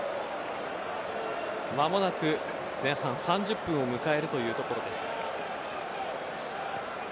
間もなく前半３０分を迎えるというところです。